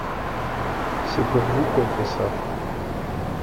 C'est pour vous qu'on fait ça.